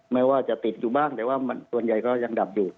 ไม่ว่าจะติดอยู่บ้างแต่ว่าส่วนใหญ่ก็ยังดับอยู่